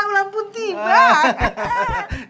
ulan putih bang